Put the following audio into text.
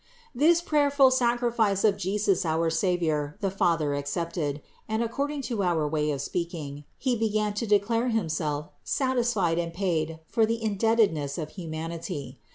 534. This prayerful sacrifice of JESUS our Savior the Father accepted, and, according to our way of speaking, THE INCARNATION 449 He began to declare Himself satisfied and paid for the indebtedness of humanity.